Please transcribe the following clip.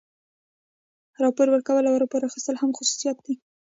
راپور ورکول او راپور اخیستل هم خصوصیات دي.